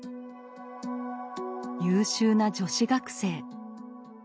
優秀な女子学生。